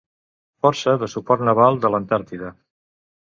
Força de Suport Naval de l'Antàrtida.